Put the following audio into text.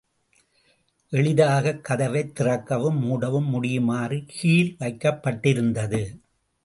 எளிதாகக் கதவைத் திறக்கவும், மூடவும் முடியுமாறு கீல் வைக்கப் பட்டிருந்தது.